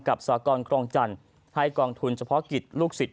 สากรครองจันทร์ให้กองทุนเฉพาะกิจลูกศิษย